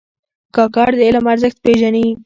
کاکړ د علم ارزښت پېژني.